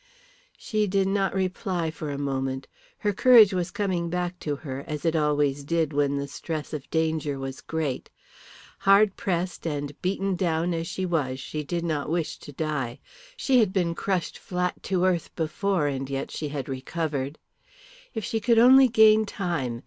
She did not reply for a moment. Her courage was coming back to her, as it always did when the stress of danger was great. Hard pushed and beaten down as she was, she did not wish to die. She had been crushed flat to earth before, and yet she had recovered. If she could only gain time!